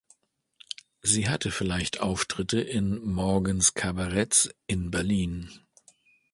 Sie hatte vielleicht Auftritte in Morgans Kabaretts in Berlin.